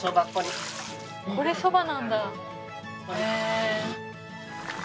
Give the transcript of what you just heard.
これそばなんだ。